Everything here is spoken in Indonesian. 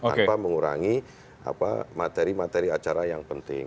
tanpa mengurangi materi materi acara yang penting